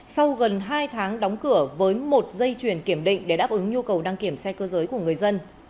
hàng tháng đóng cửa với một dây chuyển kiểm định để đáp ứng nhu cầu đăng kiểm xe cơ giới của người dân